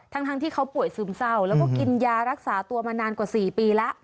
ทั้งที่เขาป่วยซึมเศร้าแล้วก็กินยารักษาตัวมานานกว่า๔ปีแล้ว